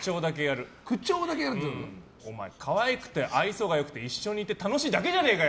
口調だけお前、可愛くて愛想が良くて一緒にいて楽しいだけじゃないかよ！